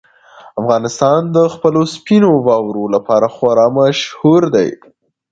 افغانستان د خپلو سپینو واورو لپاره خورا مشهور دی.